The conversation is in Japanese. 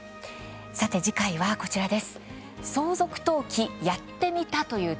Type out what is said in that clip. さて次回はこちらです。